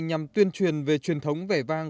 nhằm tuyên truyền về truyền thống vẻ vang